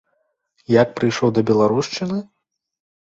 Як прыйшоў да беларушчыны?